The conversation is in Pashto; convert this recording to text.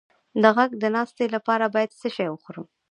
د غږ د ناستې لپاره باید څه شی وخورم؟